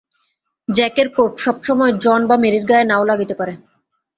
জ্যাকের coat সবসময় John বা মেরীর গায়ে না-ও লাগিতে পারে।